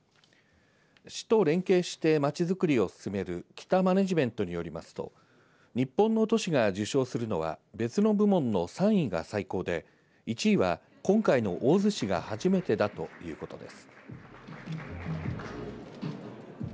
市と連携してまちづくりを進めるキタ・マネジメントによりますと日本の都市が受賞するのは別の部門の３位が最高で１位は今回の大洲市が初めてだということです。